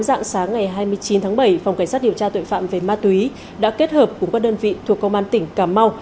dạng sáng ngày hai mươi chín tháng bảy phòng cảnh sát điều tra tội phạm về ma túy đã kết hợp cùng các đơn vị thuộc công an tỉnh cà mau